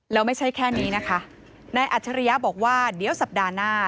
แล้วไม่ใช่แค่นี้นะคะนายอัจฉริยะบอกว่าเดี๋ยวสัปดาห์หน้า